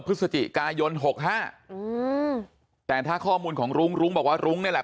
พฤศจิกายนหกห้าอืมแต่ถ้าข้อมูลของรุ้งรุ้งบอกว่ารุ้งนี่แหละ